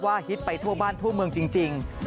ฮิตไปทั่วบ้านทั่วเมืองจริง